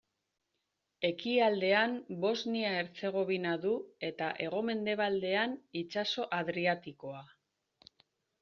Ekialdean Bosnia-Herzegovina du eta hegomendebaldean itsaso Adriatikoa.